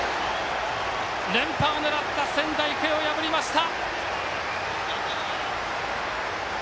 連覇を狙った仙台育英を破りました！